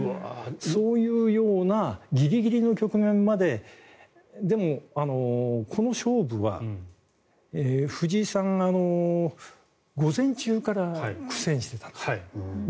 そういうようなギリギリの局面まででも、この勝負は、藤井さんが午前中から苦戦していた。